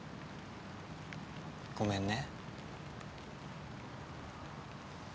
ごめんね。